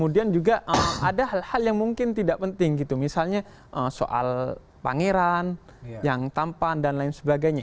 dan juga ada hal hal yang mungkin tidak penting gitu misalnya soal pangeran yang tampan dan lain sebagainya